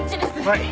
はい。